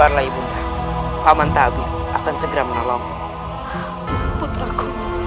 sabarlah ibunda paman tabib akan segera menolong putrak